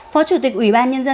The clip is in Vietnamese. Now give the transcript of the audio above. phó chủ tịch ubnd